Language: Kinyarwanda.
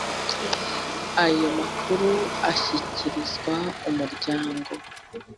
ayo makuru ashyikirizwa umuryango